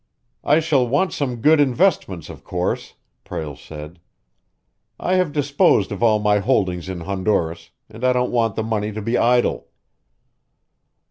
"I shall want some good investments, of course," Prale said. "I have disposed of all my holdings in Honduras, and I don't want the money to be idle."